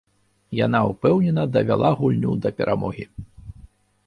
Яна ўпэўнена давяла гульню да перамогі.